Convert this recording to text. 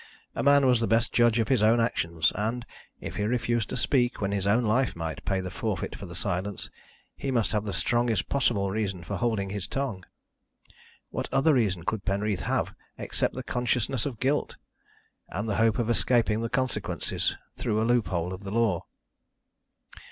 A man was the best judge of his own actions and, if he refused to speak when his own life might pay the forfeit for silence, he must have the strongest possible reason for holding his tongue. What other reason could Penreath have except the consciousness of guilt, and the hope of escaping the consequences through a loop hole of the law?